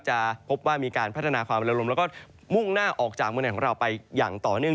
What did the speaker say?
จะพบว่ามีการพัฒนาความระลมแล้วก็มุ่งหน้าออกจากเมืองไทยของเราไปอย่างต่อเนื่อง